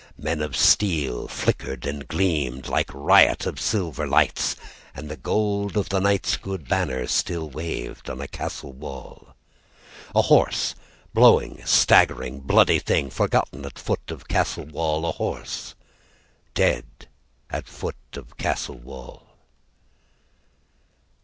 Men of steel flickered and gleamed Like riot of silver lights, And the gold of the knight's good banner Still waved on a castle wall. ....... A horse, Blowing, staggering, bloody thing, Forgotten at foot of castle wall. A horse Dead at foot of castle wall.